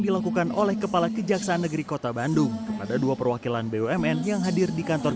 dan ini juga menurut kita adalah prestasi yang luar biasa